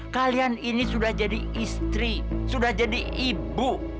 kalian ini sudah jadi istri sudah jadi ibu